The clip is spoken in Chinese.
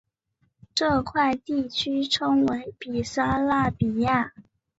这块地区称为比萨拉比亚。